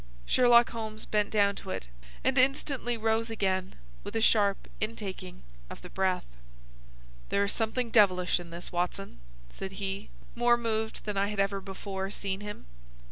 Sherlock Holmes bent down to it, and instantly rose again with a sharp intaking of the breath. "There is something devilish in this, Watson," said he, more moved than I had ever before seen him.